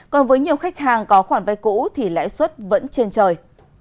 còn với nhiều khách hàng có khoản vay cũ thì lãi suất vẫn trên trời